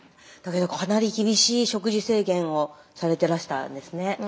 かなり厳しい食事制限をされてらしたんですね。ね。